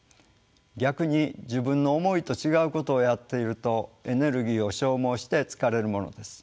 逆に自分の思いと違うことをやっているとエネルギーを消耗して疲れるものです。